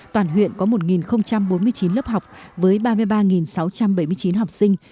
toàn huyện có một bốn mươi chín lớp học với ba mươi ba sáu trăm bảy mươi chín học sinh